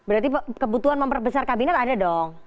berarti kebutuhan memperbesar kabinet ada dong